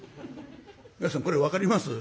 皆さんこれ分かります？